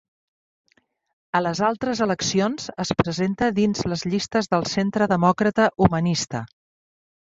A les altres eleccions es presenta dins les llistes del Centre Demòcrata Humanista.